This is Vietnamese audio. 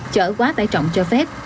chở quá tải trọng cho phép